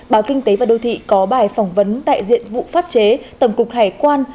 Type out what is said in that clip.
báo kinh tế và đô thị có bài phỏng vấn đại diện vụ pháp chế tổng cục hải quan